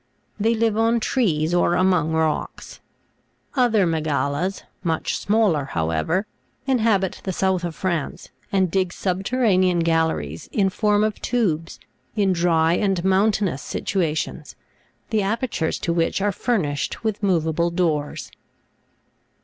They live on trees or among rocks. Other Mygales, much smaller, however, in habit the South of France, and dig subterranean galleries in form of tubes, in dry and mountainous situations, the apertures to which are furnished with movable doors.